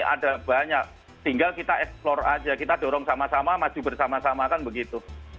ada banyak tinggal kita eksplor aja kita dorong sama sama maju bersama sama kan begitu